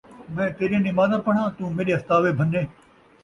میں تیݙیاں نمازاں پڑھاں ، توں میݙے استاوے بھنّیں